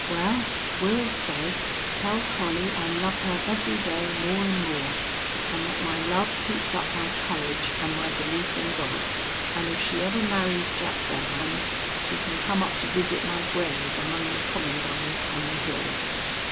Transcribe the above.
"Well, Wils says, tell Collie I love her every day more an' more, an' that my love keeps up my courage an' my belief in God, an' if she ever marries Jack Belllounds she can come up to visit my grave among the columbines on the hill."